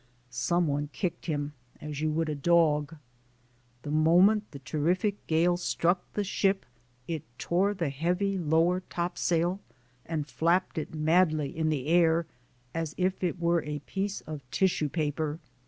Some one kicked him as you would a dog. The moment the terrific gale struck the ship it tore the heavy lower top sail and flapped it madly in the air as if it were a piece of tissue paper.